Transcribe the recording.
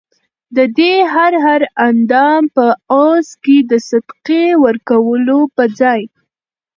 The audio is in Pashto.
ددي هر هر اندام په عوض کي د صدقې ورکولو په ځای